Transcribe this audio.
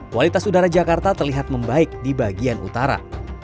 kualitas udara jakarta terlihat membaik di bagian utara